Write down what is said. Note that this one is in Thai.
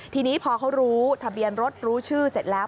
ทีนี้พอเขารู้ทะเบียนรถรู้ชื่อเสร็จแล้ว